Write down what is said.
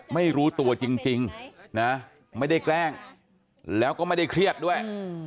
ไม่รู้ตัวจริงนะไม่ได้แกล้งแล้วก็ไม่ได้เครียดด้วย